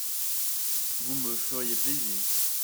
Vous me feriez plaisir.